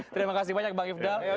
terima kasih banyak bang ifdal